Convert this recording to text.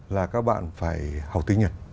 là các bạn phải học tiếng nhật